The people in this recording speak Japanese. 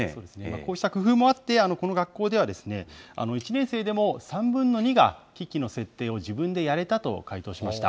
こうした工夫もあって、この学校では、１年生でも３分の２が機器の設定を自分でやれたと回答しました。